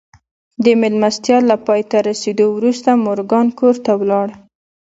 د مېلمستیا له پای ته رسېدو وروسته مورګان کور ته ولاړ